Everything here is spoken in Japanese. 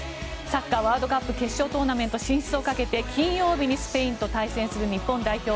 サッカーワールドカップ決勝トーナメント進出をかけて金曜日にスペインと対戦する日本代表。